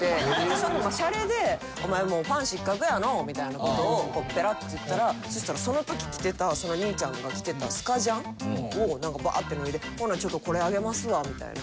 それでシャレで「お前もうファン失格やのう」みたいな事をペラッと言ったらそしたらその時着てたその兄ちゃんが着てたスカジャンをなんかバーッて脱いでほなちょっとこれあげますわみたいな。